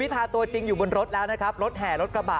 พาตัวจริงอยู่บนรถแล้วนะครับรถแห่รถกระบะ